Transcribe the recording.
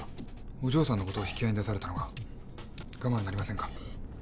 お嬢さんのことを引き合いに出されたのが我慢なりませんか？